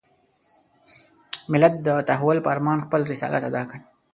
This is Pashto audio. ملت د تحول په ارمان خپل رسالت اداء کړ.